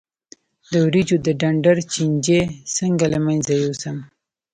د وریجو د ډنډر چینجی څنګه له منځه یوسم؟